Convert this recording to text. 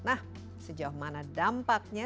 nah sejauh mana dampaknya